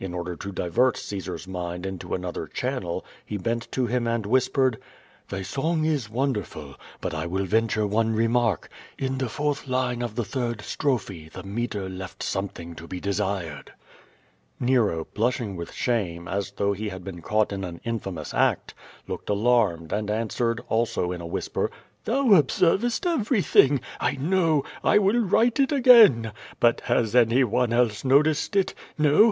In order to divert Caesar's mind into another channej, he bent to him and whispered: "Thy son<^ is wonderful, but I will venture one remark. In the fourth line of the third strophe, the metre left some thing to be desired." Nero, blushing with shame, as though he had been caught in an infamous act, looked alarmed, and answered, also in a whisper: "Thou ob?crvest everything! I know! I will write it again. But has any one else noticed it? No?